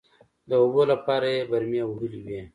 د اوبو لپاره يې برمې وهلې وې.